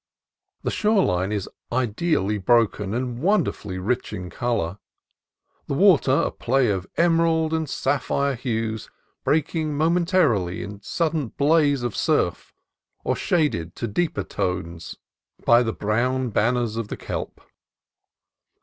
The shore line is ideally broken and wonderfully rich in color; the water a play of emerald and sap phire hues breaking momentarily in sudden blaze of surf, or shaded to deeper tones by the brown sea 218 CALIFORNIA COAST TRAILS banners of the kelp.